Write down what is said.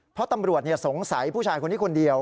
เพราะตำรวจสงสัยผู้ชายคนนี้คนเดียว